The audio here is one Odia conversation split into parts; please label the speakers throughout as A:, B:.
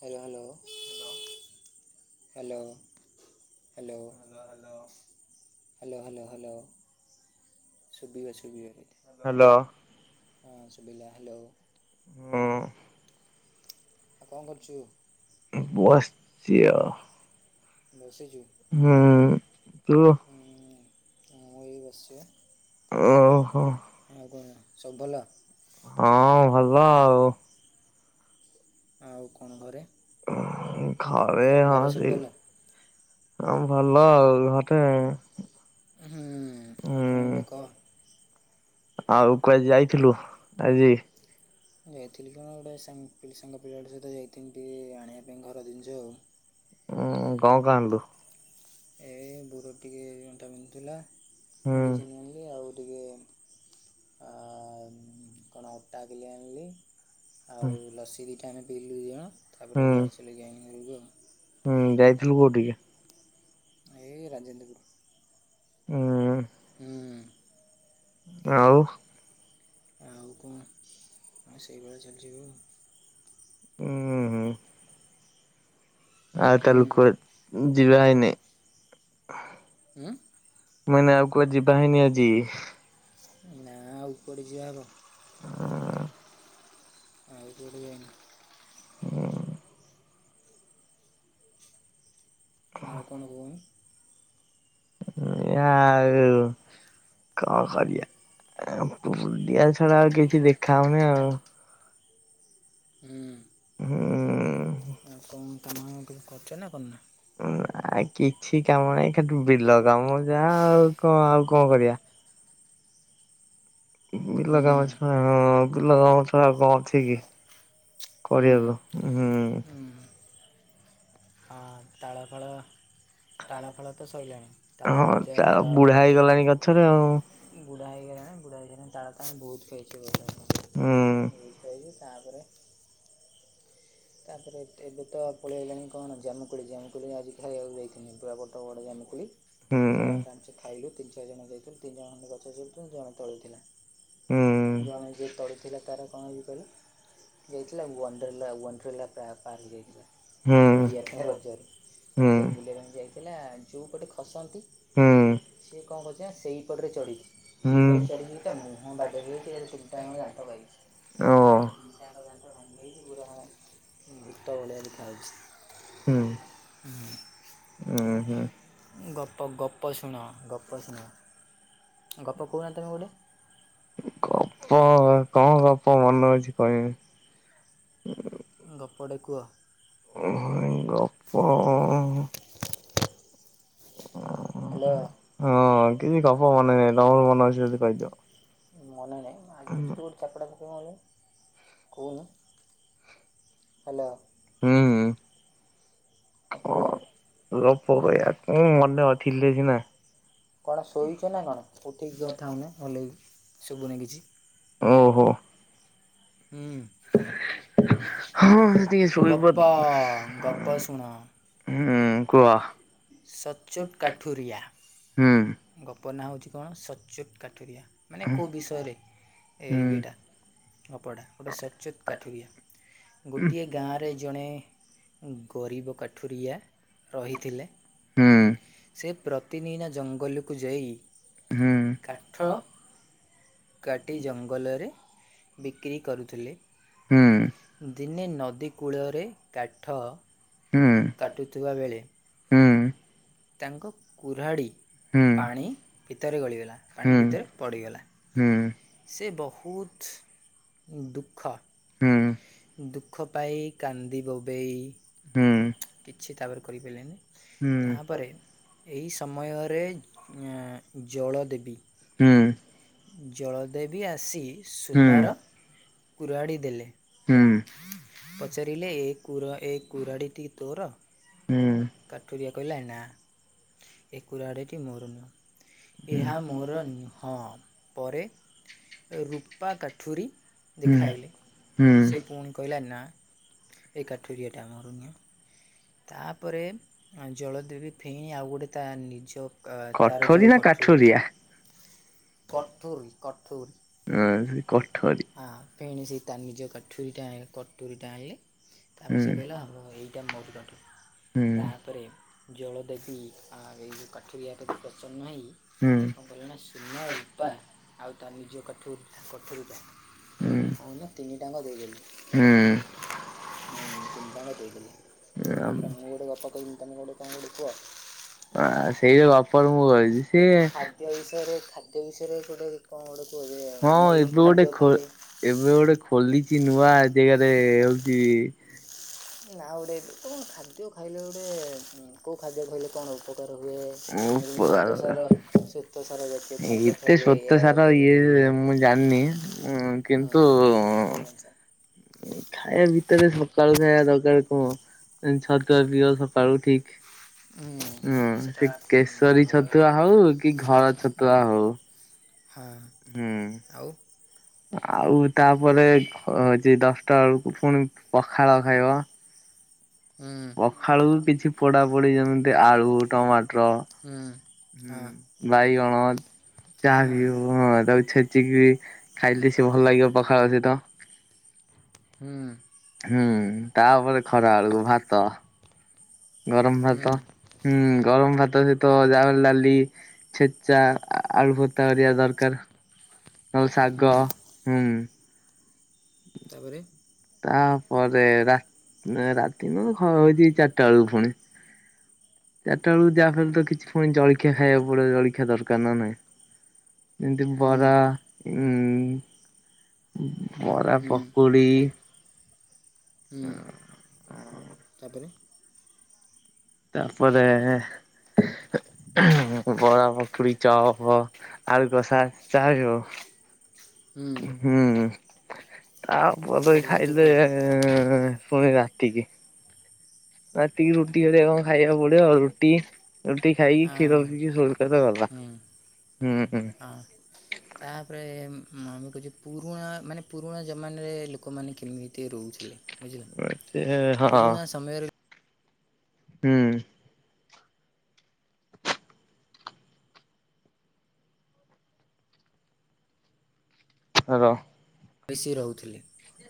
A: Hello hello. Hello hello hello. ସୁବିବା ସିବିବ ଏଠି
B: ହ୍ୟାଲୋ
A: ହଁ ସୁଵିଲା ହାଲୋ।
B: ହଁ।
A: ଆଉ କଣ କରୁଛୁ?
B: ବସିଛି ଆଉ।
A: ବସିଛୁ
B: ହୁଁ ତୁ?
A: ହଁ ଏଇ ବସିଛି।
B: ଓହୋ।
A: ଆଉ ସବୁ ଭଲ।
B: ହଁ ଭଲ ଆଉ।
A: ଆଉ କଣ ଘରେ।
B: ଘରେ ହ
A: ଘରେ ସବୁ
B: ସେ
A: ଭଲ
B: ହ ଭଲ ଘରେ।
A: ହୁଁ ଆଉ କଣ
B: ହୁଁ
A: ଗୋଟେ କହ।
B: ଆଉ କୁଆଡେ ଯାଇଥିଲୁ ଆଜି?
A: ଯାଇଥିଲି କଣ ଗୋଟେ ସାଙ୍ଗ ସାଙ୍ଗ ପିଲାଟେ ସହିତ ଯାଇଥିଲି ଟିକେ ଆଣିବା ପାଇଁ ଘର ଜିନିଷ ଆଉ।
B: ଉଁ କଣ କଣ ଆଣିଲୁ?
A: ଏ ବୋଉର ଟିକେ ଏଣ୍ଟା ପିନ୍ଧୁଥିଲା
B: ହୁଁ
A: ମେଡ଼ିସିନ ଆଣିଲି ଆଉ ଟିକେ ଆ କଣ ଅଟା କିଲେ ଆଣିଲି।
B: ହୁଁ
A: ଆଉ ଲସି ଦିଟା ଆମେ ପିଇଲୁ ଦୁଇ ଜଣ
B: ହୁଁ
A: ତାପରେ ଗାଡି ଚଲେଇ ଆଇଲୁ। ଆଉ
B: ହୁଁ ଯାଇଥିଲୁ କୋଉଠିକି?
A: ଏଇ ରଞ୍ଜନ ଦେଗରୁ।
B: ହୁଁ।
A: ହଁ।
B: ଆଉ
A: ଆଉ କଣ ହଁ ସେଇଭଳି ଚାଲିଯିବୁ ଆଉ।
B: ଉଁ ହୁ ଆଉ ତାଲକୁ ଯିବା ଏଇନେ
A: ହୁଁ
B: ମାନେ ଆଉ କୁଅ ଯିବା ହେଇନି ଆଜି।
A: ନା ଆଉ କୁଆଡେ ଯିବା ହ ଆଉ କୁଆଡେ ଯାଇନି। ଆଉ କଣ କହୁନୁ?
B: ଏ ଆଉ କଣ କରିବା [unintelligible] ଛଡା ଆଉ କିଛି ଦେଖା ହଉନି ଆଉ।
A: ହୁଁ।
B: ହୁଁ।
A: [unintelligible]
B: ନାଁ ଆ କିଛି କାମ ନାହିଁ ଖାଲି ବିଲ କାମ ଯାହା ଆଉ କଣ ଆଉ କଣ କରିବା। ବିଲ କାମ ଅଛି ହଁ ବିଲ କା ଆଉ କଣ ଅଛି କି କରିବାକୁ ହୁଁ
A: ହଁ ତାଳ ଫାଳ ତାଳ ଫାଳ ତ ସରିଲାଣି ତାଳ
B: ହଁ
A: ଗଜା
B: ତାଳ ବୁଢା ହେଇଗଲାଣି ଗଛରେ ଆଉ
A: ବୁଢା ହେଇଗଲାଣି ବୁଢା ହେଇଗଣି ତାଳ ତାଳ ବହୁତ ଖାଇଛୁ ବହୁତ
B: ହୁଁ
A: ଖାଇଛୁ ତା ପରେ ତାପରେ ଏଠେ ବି ତ ପଳେଇଆଇଲାଣି କଣ ଜାମୁକୁଳି ଜାମୁକୁଳି ଆଜି ଖାଇବାକୁ ଯାଇଥିଲି ପୁରା ବଡ଼ ବଡ଼ ଜାମୁକୁଳି।
B: ହୁଁ।
A: ପୁରା ଆରାମସେ ଖାଇଲୁ ତିନି ଚାରି ଜଣ ଯାଇଥିଲୁ ତିନି ଜଣ ଆମେ ଗଛ ଚଢି ଥିଲୁ ଜଣେ ତଳେ ଥିଲା।
B: ହୁଁ
A: ଜଣେ ଯେ ତଳେ ଥିଲା ତାର କଣ ହେଇଚି କହିଲ ଯାଇଥିଲା ୱଣ୍ଡ୍ରଲା ୱଣ୍ଡ୍ରଲା ପା ପାର୍କ
B: ହୁଁ
A: ଯାଇଥିଲା। ବୁଲିବା ପାଇଁ ରଜରେ
B: ହୁଁ
A: ରଜରେ ବୁଲିବା ପାଇଁ ଯାଇଥିଲା ଯଉ ପଟେ ଖସନ୍ତି
B: ହୁଁ
A: ସିଏ କଣ କରଛି ନା ସେଇପଟରେ ଚଢ଼ିଛି।
B: ହୁଁ
A: ସେଇପରି ଚଢ଼ିଦିନି ତ ମୁହଁ ବାଡ଼େଇ ହେଇଛି ଏକାଥରେ ତିନିଟାଯାଙ୍କା ଦାନ୍ତ
B: ଓ।
A: ଯାଇଛି ଭୁତ ଭଳିଆ
B: ହୁଁ
A: ଦେଖାାଯାଉଛି ହ
B: ହୁଁ ହୁଁ
A: ଗପ ଗପ ଶୁଣ ଗପ ଶୁଣ ଗପ କହୁନା ତମେ ଗୋଟେ
B: ଅ କଣ ଗପ ମନେ ଅଛି କହିବି
A: ଗପଟେ କୁହ।
B: ଗପ
A: ହ୍ୟାଲୋ
B: ହଁ କିଛି ଗପ ମନେନାହି ତମର ମନେ ଅଛି ଯଦି କହିଦିଅ।
A: ମନେ ନାହିଁ [unintelligible] ଗୋଟେ ଚାପଡ଼ା ପକେଇବି ନ ହେଲେ କହୁନୁ ହାଲୋ
B: ହୁଁ ହୁଁ
A: ଆଉ କୁହ
B: କଣ ଗପ କହିବା ମନେ ଅ ଥିଲେ ସିନା
A: କଣ ଶୋଇଛୁ ନା କଣ ଉଠିକ କଥା ହୋଉନୁ ଭଲକି ଶୁଭୁନି କିଛି।
B: ଓହୋ।
A: ହୁଁ।
B: ହଁ ସେ ଟିକେ ସୋଇ
A: ଗପ
B: ପ
A: ଗପ ଶୁଣ
B: ହୁଁ କୁହ
A: ସଚ୍ଚୋଟ
B: ହୁଁ
A: ଗପନା ହେଉଛି କଣ ସଚୁଟ କାଠୁରିଆ ମାନେ
B: ହୁଁ
A: କୋଉ ବିଷୟରେ ଏ
B: ହୁଁ
A: ଇଏଟା ଗପଟା ଗୋଟେ ସଚତ କାଠୁରୁଆ ଗୋଟିଏ ଗାଁରେ ଜଣେ ଗରିବ କାଠୁରିଆ ରହିଥିଲେ।
B: ହୁଁ
A: ସେ ପ୍ରତିନିନା ଜଙ୍ଗଲକୁ ଯାଇ
B: ହୁଁ ହୁଁ
A: କାଠ କାଟି ଜଙ୍ଗଲରେ ବିକ୍ରି କରୁଥିଲେ।
B: ହୁଁ ହୁଁ ହୁଁ। ହୁଁ ହୁଁ ହୁଁ ହୁଁ ହୁଁ
A: ଦିନେ ନଦୀ କୂଳରେ କାଠ କାଟୁ ଥିବା ବେଳେ
B: ହଁ
A: ତାଙ୍କ କୁରାଢି ପାଣି ଭିତରେ ଗଳିଗଲା ପାଣି ଭିତରେ ପଡ଼ିଗଲା। ସେ ବହୁତ ଦୁଃଖ ଦୁଃଖ ପାଇ କାନ୍ଦି ବୋବେଇ କିଛି ତାପରେ କରିପାରିଲେନି ତାପରେ ଏହି ସମୟରେ ଜଳ ଦେବି
B: ହୁଁ
A: ସୁନାର
B: ହୁଁ
A: କୁରାଢ଼ୀ ଦେଲେ
B: ହୁଁ
A: ପଚାରିଲେ ଏ କୁର ଏ କୁରାଡ଼ିଟି ତୋର କାଠୁରିଆ କହିଲା ନା। ଏ କୁରାଢିଟି ମୋର ନୁହଁ ଏହା ମୋର ନୁହଁ ପରେ ରୂପା କାଠୁରୀ ଦେଖାଇଲେ,
B: ହୁଁ
A: ସେ ପୁଣି
B: ହୁଁ।
A: କହିଲା ନା ଏ କାଠରଆ ଟା ଆମରନ [unintelligible] ତାପରେ ଜଳଦବି ଫେଣି ଆଉ ଗୋଟେ ତା ନିଜ ତାର ଯେଉଁ କଠୁରୀଟା ହଁ [inaudible]
B: ଆ, [unintelligible] ସେ
A: ହଁ ଫେଣି ସେ ନିଜ କାଠୁରି, କଟୁରୀ ଟା ଆଣିଲେ ତାପରେ ସେ
B: ହୁଁ
A: କହିଲା, ଏଇଟା ମୋରିିକଣ୍ଠୁ,
B: ହୁଁ
A: ତାପରେ ଜଳ ଦେବି ଆଉ ଏଇ ଯେଉଁ କାଠୁରିଆ ଉପରେ ପ୍ରସନ୍ନ ହେଇ
B: ହୁଁ
A: କଣ କଲେ ନା, ସୁୂନା, ରୂପା ଆଉ ତ ନିଜ କାଠୁରିଟ
B: ହୁଁ
A: ହଉ ନା ତିନି ଟଙ୍କା ଦେଇଗଲି ହୁଁ ତିନିତା କରି ଦେଇଦେଲେ, ତାପରେ ମୁଁ ଗୋଟେ ଗପ କହିନି, ତମେ ଗୋଟେ କଣ ଗୋଟେ କୁହ?
B: ସେଇ ଗପ ମୁଁ କହିବି,
A: ଖାଦ୍ୟ
B: ସିଏ
A: ବିଷୟରେ ଖାଦ୍ୟ ବିଷୟରେ ଗୋଟେ କଣ ଗୋଟେ କୁହଯେ-
B: ହଁ
A: ମାନେ ଏଇ
B: ଗୋଟେ
A: ଖାଦ୍ୟ
B: ଏବେ
A: ଖାଇଲେ
B: ଗୋଟେ ଖୋଲିଛି ନୂଆ ଜାଗାରେ, ହଉଛି
A: ନା ଗୋଟେ ତ କଣ ଖାଦ୍ୟ ଖାଇଲେ, ଗୋଟେ କେଉଁ ଖାଦ୍ୟ ଖାଇଲେ କଣ ଉପକାର ହୁଏ। ମ ଶତ ସାରା ଶତ ସାରା ଜତି ଛାାତ ଖାଇଲେ ଉପ ହୁ [unintelligible]
B: ଉ [unintelligible] କିନ୍ତୁ
A: କ'ଣ ଜାଣିଛ
B: ଖାଇବା ଭିତରେ ସକାଳୁ ଖାଇବା ଦରକାର, କଣ ଛତୁଆ ପିଅ ସକାଳୁ ଠିକ ହୁଁ
A: ସେଇଟା
B: ସେ କେଶରୀ
A: ଭଲ ଲାଗେ।
B: ଛତୁଆ ହଉ କି, ଘର ଛତୁଆ ହଉ
A: ହଁ,
B: ହୁଁ
A: ଆଉ
B: ଆଉ ତାପରେ ହଉଛି, ଦଶଟା ବେଳକୁ ପୁଣି ପଖାଳ ଖାଇବ।
A: [unintelligible] ହୁଁ
B: ପଖାଳକୁ କିଛି ପୋଡା ପୋଡି
A: ଆଳଟ
B: ଯେମିତି
A: ହ [unintelligible]
B: ହୁଁ ବାଇଗଣ, ଚାହା
A: ହଁ
B: ବି ହବ ହଁ ତାକୁ ଛେଚିକି ବି ଖାଇଲେ ସିଏ ଭଲ ଲାଗିବ ପଖାଳ ସହିତ
A: ହୁଁ
B: ହୁଁ, ତାପରେ ଖରା ବେଳକୁ ଭାତ ଗରମ ଭାତ, ହୁଁ ଗରମ ଭାତ, ସହିତ ଯାହାବି ହେଲେ ଡାଲି, ଛେଚା ଆଳୁ ଭତ୍ତା ହେରିକା ଦରକାର, ନହେଲେ ଶାଗ,
A: ହୁଁ
B: ହୁଁ
A: ତାପରେ
B: ତାପରେ ରାତି ନ, ହଉଛି ଚାରିଟା ବେଳକୁ ପୁଣି ଚାରିଟା ବେଳକୁ ଯାହା ଫରେ ତ କିଛି ଫୁଣି ଜଳଖିଆ ଖାଇବାକୁ ପଡିବ, ଜଳଖିଆ ଦରକାର ନା ନାହିଁ ଯେମତି-
A: ହୁଁ
B: ବରା
A: ହୁଁ
B: ବରାପକୁଡ଼ି
A: ହୁଁ, ତାପରେ
B: ତାପରେ ବରା, ପକୁଡି, ଚପ୍, ଆଳୁ କଷା, ଯାହା
A: ହୁଁ
B: ହଉ ହୁଁ ତାପରେ
A: କୁଆଡ଼େ ଯାଉଛ
B: ଖାଇଲେ,
A: କୁଆଡ଼େ
B: ପୁଣି ରାତିକି ରାତିକି ରୁଟି କରିବା କଣ ଖାଇବାକୁ ପଡିବ ଆଉ, ରୁଟି ରୁଟି ଖାଇକି, କ୍ଷୀର
A: ହଁ
B: ପିଇକି, ଶୋଇପଡ଼ିଲେ ଗଲା।
A: ହୁଁ
B: ହୁଁ
A: ହଁ
B: ହୁଁ
A: ତାପରେ ମୁଁ ଆମେ କହୁଛେ, ପୁରୁଣା ମାନେ ପୁରୁଣା ଜମାନାରେ ଲୋକମାନେ କେମିତି ରହୁଥିଲେ ବୁଝିଲ
B: [unintelligible] ହଁ
A: ପୁରୁଣା ସମୟରେ
B: ହୁଁ ହୋ [unintelligible]
A: ମିଶି ରହୁଥିଲେ।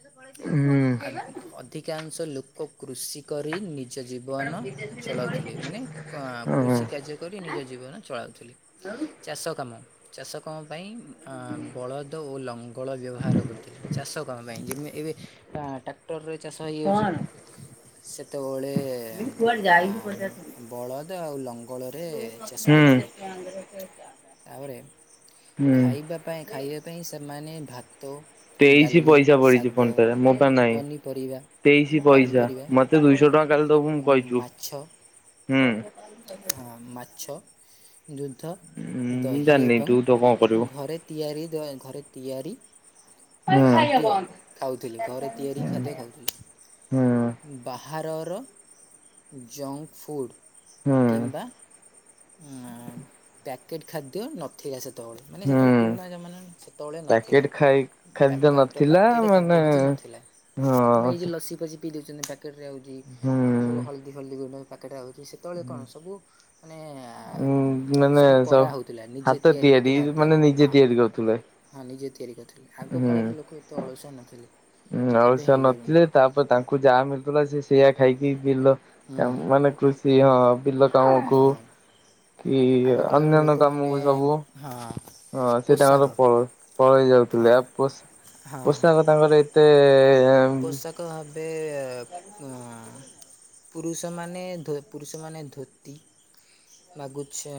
B: ହୁଁ
A: ଆ
B: [unintelligible]
A: ଅଧିକାଂଶ ଲୋକ କୃଷି କରି ନି ନିଜ ଜୀବନ ଚଳାଉଥିଲେ ମାନେ କୃଷି କାର୍ଯ୍ୟ କରି ନିଜ ଜୀବନ ଚଳାଉଥିଲି। ଚାଷ କାମ ଚାଷ କାମ ପାଇଁ ବଳଦ ଓ ଲଙ୍ଗଳ ବ୍ୟବହାର କରୁଥିଲେ ଚାଷ କାମ ପାଇଁ ଯେମିତି ଏବେ ଟ୍ରାକ୍ଟରରେ ଚାଷ ହେଇଯାଉଛି ସେତେ ମାନେ ବଳଦ ଆଉ ଲଙ୍ଗ
B: ହୁଁ।
A: ତାପରେ ଖାଇବା ପାଇଁ ଖାଇବା ପାଇଁ ସେମାନେ ଭାତ
B: ତେଇଶ
A: ଡାଲି
B: ପଇସା ପଡିଛି
A: ଶାଗ
B: ଫୋନ ପେ ରେ ମୋ ପାଖେରେ ନାହିଁ।
A: ପନିପରିବା
B: ତେଇଶି ପଇସା
A: ପନିପରିବା
B: ମତେ ଦୁଇଶହ ଟଙ୍କା କାଲି ଦବୁ ମୁଁ କହିଛୁ।
A: ହଁ ମାଛ। ଦୁଦ୍ଧ
B: ମୁଁ
A: ଦହି
B: ଜାଣିନି
A: ଏବଂ
B: ତୁ ତ କଣ କରିବୁ
A: ଘରେ ତିଆରି ଦ ଘରେ ତିଆରି
B: ହୁଁ ହୁଁ
A: ଖାଦ୍ୟ ଖାଉଥିଲି ଘରେ ତିଆରି ଖାଦ୍ୟ ଖାଉଥିଲେ। ବାହାର ର ଜଙ୍କଫୁଡ଼୍
B: ହୁଁ।
A: କିମ୍ବା ପ୍ୟାକେଟ୍ ଖାଦ୍ୟ ନଥିଲା ସେତେ ବେଳେ ମାନେ
B: ହୁଁ
A: ସେତେବେଳେ ପୁରୁଣା ଜମାନ ସେତେବେଳେ ନଥିଲା
B: ପ୍ୟାକେଟ ଖାଇ ଖାଦ୍ୟ
A: ପକେଟ
B: ନଥିଲା
A: ପକେଟ୍ ଖାଦ୍ୟ
B: ମାନେ
A: କିଛି ନଥିଲା। ଥିଲା ଆମେ ଏଇ
B: ହଁ
A: ଯୋଉ ଲସି ଫସି ପିଇ ଦେଉଛନ୍ତି ପ୍ୟାକେଟରେ ହେଉଛି ଆମର
B: ହୁଁ
A: ସବୁ ହଳଦୀ ହଳଦୀ ଗୁଣ୍ଡ ପକେଟ୍ ଆଉଛି ସେତେବେଳେ କଣ ସବୁ ମାନେ
B: ଉଁ ମାନେ
A: ସବୁ
B: ସ
A: କରାହେଉଥିଲା ନିଜେ
B: ହାତ ତିଆରି
A: କରୁଥିଲେ ହାତରେ
B: ମାନେ ନିଜେ
A: ହଁ
B: ତିଆରି କରୁଥିଲେ।
A: ହଁ ନିଜେ ତିଆରି କରିଥିଲେ ଆଗ
B: ହୁଁ।
A: କାଳରେ ଲୋକ ଏତେ ଅଳସଆ ନଥିଲେ। ଏବେ
B: ଅଳସୁଆ
A: ହେଇଗଲେଣି
B: ନଥିଲେ ତାପରେ ତାଙ୍କୁ ଯାହା ମିଳୁଥିଲା ସେ ସେଇଆ ଖାଇକି ବିଲ
A: ହୁଁ
B: କା ମାନେ କୃଷି ହଁ। ବିଲ କାମକୁ
A: ହଁ
B: କି
A: ଆଗ କାଳର
B: ଅନ୍ୟାନ୍ୟ
A: ଲୋକମାନେ
B: କାମକୁ ସବୁ
A: ହଁ
B: ହଁ ସେ ତାଙ୍କର
A: ପୋଷାକ
B: ପଳଉ ପଳେଇ
A: ହଁ
B: ଯାଉଥିଲେ ଆଉ ପୋଷା
A: ହଁ
B: ପୋଷାକ ତାଙ୍କର ଏ ତେ
A: ପୋଷାକ ଭାବେ ପୁରୁଷମାନେ ଧୋ ପୁରୁଷମାନେ ଧୋତି ନାଗଛେ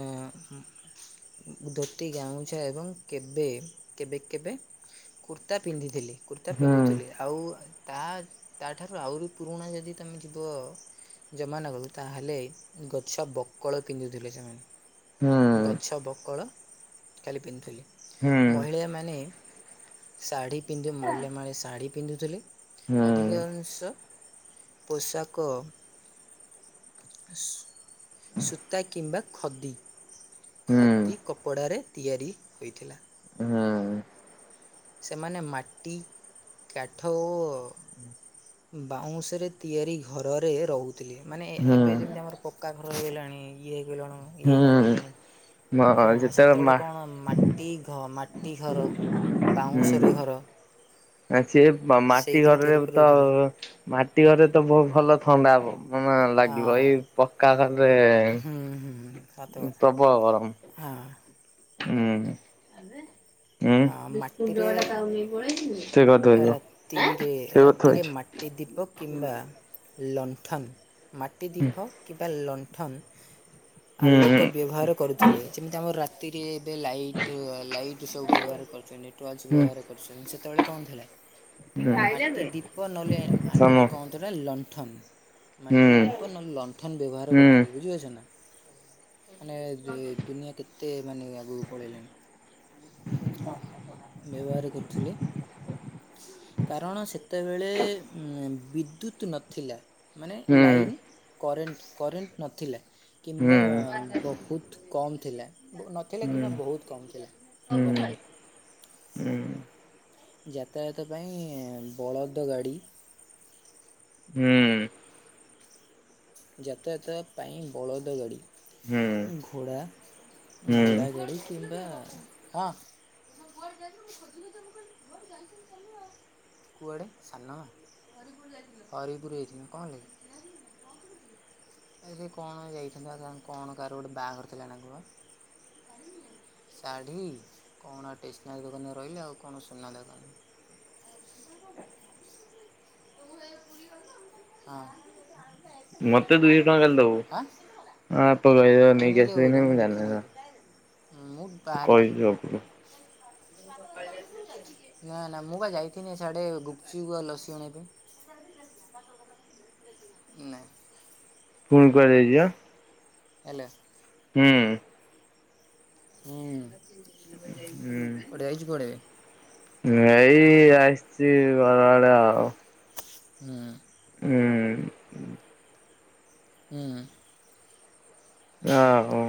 A: ଧୋତି ଗାମୁଛା ଏବଂ କେବେ କେବେ କେବେ କୁର୍ତ୍ତା ପିନ୍ଧିଥିଲି କୁର୍ତ୍ତା
B: ହୁଁ ହୁଁ
A: ପିନ୍ଧୁଥିଲେ ଆଉ ତା ତାଠାରୁ ଆହୁରି ପୁରୁଣା ଯଦି ତମେ ଯିବ ଜମାନା କୁ ତାହେଲେ ଗଛ ବକଳ ପିନ୍ଧୁଥିଲେ ସେମାନେ। ଗଛ ବକଳ ଖାଲି ପିନ୍ଧୁଥିଲି
B: ହୁଁ ହୁଁ
A: ମହିଳାମାନେ ଶାଢ଼ୀ ପିନ୍ଧୁ ମହିଳାମାନେ ଶାଢ଼ୀ ପିନ୍ଧୁଥିଲେ
B: ହୁଁ
A: ଅଧିକାଂଶ ପୋଷାକ ସୂତା କିମ୍ବା ଖଦି
B: ହୁଁ
A: ଖଦି କପଡ଼ାରେ ତିଆରି ହୋଇଥିଲା।
B: ହୁଁ।
A: ସେମାନେ ମାଟି କାଠ ଓ ବାଉଁଶରେ ତିଆରି ଘରରେ ରହୁଥିଲି ମାନେ
B: ହୁଁ
A: ଏବେ
B: ହୁଁ
A: ଯେମିତି ଆମର ପକ୍କା ଘ ଘର ରହିଲାଣି ଇଏ ହେଇଗଲାଣୁ ଇଏ ଘର ହେଇଲାଣି
B: ମ
A: ହଁ,
B: ଯେତେବେଳେ
A: ସେତେବେଳେ
B: ମା
A: କଣ ମାଟି ଘ ମାଟି ଘର ବାଉଁଶରେ
B: ହୁଁ
A: ଘର
B: ସିଏ ମାଟି
A: ସେଇଥିରେ
B: ଘରରେ
A: ତିଆରି କରି
B: ତ
A: ରହୁଥିଲେ।
B: ମାଟି ଘରେ ତ ବହୁତ ଭଲ ଥଣ୍ଡା ହବ। ମାନ ଲାଗିବ
A: ହଁ।
B: ଏଇ ପକ୍କା ଘରରେ
A: ହୁଁ ହୁଁ ସତ କଥା।
B: ପ୍ରବଳ ବରମ୍।
A: ହଁ ହଁ ମାଟିରେ
B: ହୁଁ।
A: ରାତିରେ ରାତିରେ
B: [inaudible]
A: ମାଟି ଦୀପ କିମ୍ବା ଲଣ୍ଠନ ମାଟି ଦୀପ କିମ୍ବା ଲଣ୍ଠନ
B: ହୁଁ
A: ଆଲୋକ
B: ହୁଁ
A: ବ୍ୟବହାର କରୁଥିଲେ ଯେମିତି ଆମର ରାତିରେ ଏବେ ଲାଇଟ ଲାଇଟ୍ ସବୁ ବ୍ୟବହାର କରୁଚନ୍ତି ଟର୍ଚ୍ଚ ବ୍ୟବହାର କରୁଛନ୍ତି ସେତେବେଳେ କଣ ଥିଲା ମାଟି
B: ହୁଁ
A: ଦ୍ୱୀପ ନହେଲେ ଆ
B: ସମ
A: କଣତ ଏଟା ଲଣ୍ଠନ।
B: ହୁଁ
A: ମାଟି ଦୀପ ନ ହେଲେ, ଲଣ୍ଠନ ବ୍ୟବହାର
B: ହୁଁ
A: କରିୁଥିଲେ ବୁଝିପାରୁଛ ନା। ମାନେ ଦୁନିଆ କେତେ ମାନେ ଆଗକୁ ପଳେଇଲାଣି। ବ୍ୟବହାର କରୁଥିଲେ। କାରଣ ସେତେବେଳେ ବିଦ୍ୟୁତ ନଥିଲା। ମାନେ
B: ହୁଁ ହୁଁ
A: ଲାଇନ୍ କରେଣ୍ଟ କରେଣ୍ଟ ନଥିଲା।
B: ହୁଁ
A: କିମ୍ବା
B: ହୁଁ
A: ବହୁତ କମ୍ ଥିଲା। ନଥିଲା କିମ୍ବା ବହୁତ କମ୍ ଥିଲା କରେଣ୍ଟ।
B: ହୁଁ।
A: ଯାତାୟାତ ପାଇଁ ବଳଦ ଗାଡ଼ି।
B: ହୁଁ।
A: ଯାତାୟାତ ପାଇଁ ବଳଦ ଗାଡ଼ି।
B: ହୁଁ ହୁଁ
A: ଘୋଡ଼ା ଘୋଡ଼ା ଗାଡ଼ି କିମ୍ବା ହଁ କୁଆଡେ ଯାଇଥିଲୁ ମୁଁ ଖୋଜି ଖୋଜି ମୁଁ କହିଲି କୁଆଡ଼େ। [unintelligible] କୁଆଡ଼େ ସାନମା ହରିପୁର ଯାଇଥିଲି। କଣ ହେଲାକି? [unintelligible] ଆ ସେ କଣ ଯାଇଥିଲା କଣ କାହାର ଗୋଟେ ବାହାଘର ଥିଲା ନା କଣ? ଶାଢ଼ୀ କଣ ଷ୍ଟେସନାରୀ ଦୋକାନରେ ରହିଲେ ଆଉ କଣ ସୁନା ଦୋକାନ। [unintelligible] ତୁ ହେ ପୁରୀ ଗଲୁ [unintelligible] ହଁ।
B: ମତେ ଦୁଇଶହ ଟଙ୍କା କାଲି ଦବୁ।
A: ଆଁ
B: ଆ ପରିବା ନେଇକି
A: କିଣିଲେ
B: ଆସିବି
A: ବୋଧେ ମୁଁ
B: ମୁ ଜାଣନି
A: ଦେଖିନି
B: ହେରା।
A: ବୋଧେ ମୁଁ ବାହାରେ ଥିଲି। ନା ନା, ମୁଁ ବା ଯାଇଥିଲି ସିଆଡେ ଗୁପଚୁପ ଆଉ ଲସି ଆଣିବା ପାଇଁ। [unintelligible]
B: ପୁଣି କୁଆଡ଼େ ଯାଇଚି ପା।
A: ହେଲା।
B: ହୁଁ।
A: ହୁଁ କୁଆଡେ
B: ହୁଁ
A: ଯାଇଚି କୁଆଡେ।
B: ଏଇ ଆସିଛି ଘର ଆଡେ ଆଉ।
A: ହୁଁ।
B: ହୁଁ।
A: ହୁଁ।
B: ଅ ହଉ।